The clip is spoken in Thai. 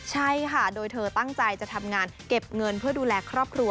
ใช่ค่ะโดยเธอตั้งใจจะทำงานเก็บเงินเพื่อดูแลครอบครัว